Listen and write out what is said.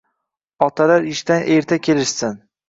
Otalar ishdan erta kelishsin